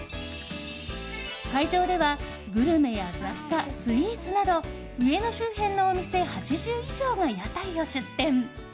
会場では、グルメや雑貨スイーツなど上野周辺のお店８０以上が屋台を出店。